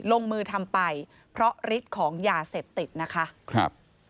ลงมือทำไปเพราะฤทธิ์ของยาเสพติดนะคะครับ